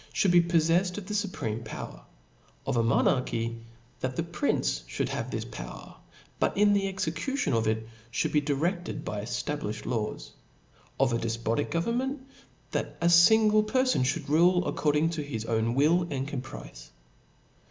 ihould be poflefTed of the fupreme power : of a monarchy, that the prince (hould have this power, but in the execucioii of it ihould be direfted by eftaUifhed laws : of a defpotic government, that a (ingle perfon ihould rule according to his own will and caprice.